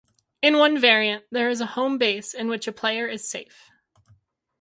In one variant there is a home base in which a player is safe.